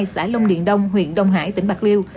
xã long điện đông huyện đông hải tỉnh bạc liêu